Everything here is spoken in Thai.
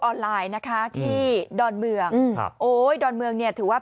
ไลน์นะคะที่ดอนเมืองครับโอ้ยดอนเมืองเนี่ยถือว่า